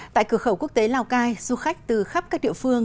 tại cửa khẩu quốc tế lào cai du khách từ khắp các địa phương